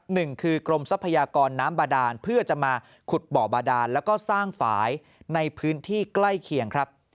หนึ่งคือกรมทรัพยากรน้ำบาดานเพื่อจะมาขุดบ่อบาดานแล้วก็สร้างฝ่ายในพื้นที่ใกล้เคียงครับ